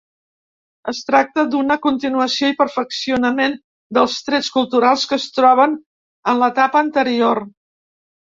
Es tracta d'una continuació i perfeccionament dels trets culturals que es troben en l'etapa anterior.